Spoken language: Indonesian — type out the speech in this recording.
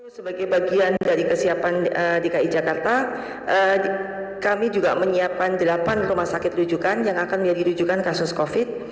sebagai bagian dari kesiapan dki jakarta kami juga menyiapkan delapan rumah sakit rujukan yang akan menjadi rujukan kasus covid